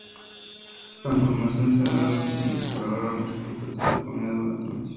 Esta transformación se gana, lógicamente, por agarrar muchos objetos de comida durante una misión.